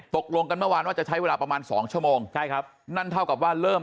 ตกลงกันเมื่อวานว่าจะใช้เวลาประมาณสองชั่วโมงใช่ครับนั่นเท่ากับว่าเริ่ม